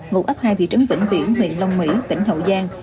ngụ ấp hai thị trấn vĩnh viễn huyện long mỹ tỉnh hậu giang